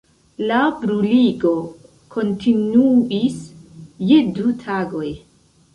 La bruligo kontinuis je du tagoj.